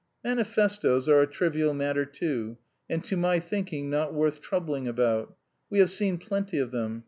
Manifestoes are a trivial matter too, and to my thinking not worth troubling about. We have seen plenty of them.